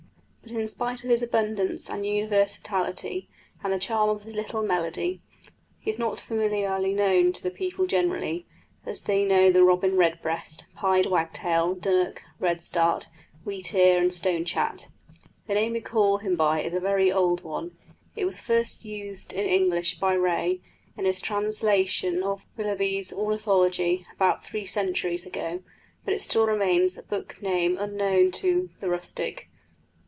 But in spite of his abundance and universality, and the charm of his little melody, he is not familiarly known to the people generally, as they know the robin redbreast, pied wagtail, dunnock, redstart, wheatear, and stonechat. The name we call him by is a very old one; it was first used in English by Ray, in his translation of Willughby's Ornithology, about three centuries ago; but it still remains a book name unknown to the rustic.